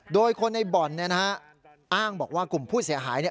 โดยคนในบ่อนอ้างบอกว่ากลุ่มผู้เสียหาย